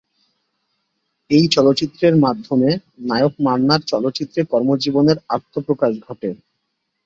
এই চলচ্চিত্রের মাধ্যমে নায়ক মান্নার চলচ্চিত্রে কর্মজীবনের আত্মপ্রকাশ ঘটে।